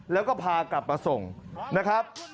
แล้วก็พากลับมาส่งนะครับ